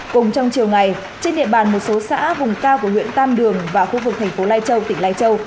cùng trong chiều ngày trên địa bàn một số xã vùng cao của huyện tam đường và khu vực thành phố lai châu tỉnh lai châu